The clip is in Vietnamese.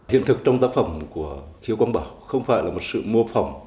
hiện thực trong tác phẩm của khiếu quang bảo không phải là một sự mô phòng